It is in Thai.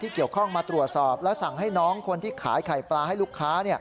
เกี่ยวข้องมาตรวจสอบและสั่งให้น้องคนที่ขายไข่ปลาให้ลูกค้า